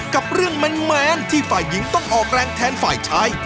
กับเรื่องแมนที่ฝ่ายหญิงต้องออกแรงแทนฝ่ายชาย